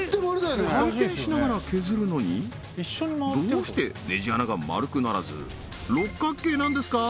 回転しながら削るのにどうしてネジ穴が丸くならず六角形なんですか？